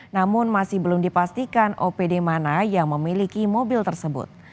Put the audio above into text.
namun masih belum dipastikan opd mana yang memiliki mobil tersebut